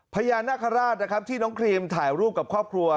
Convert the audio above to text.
พญานาคาราชนะครับที่น้องครีมถ่ายรูปกับครอบครัว